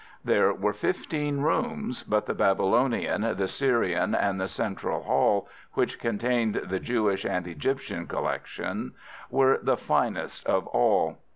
There were fifteen rooms, but the Babylonian, the Syrian, and the central hall, which contained the Jewish and Egyptian collection, were the finest of all.